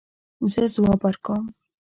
زه ځواب ورکوم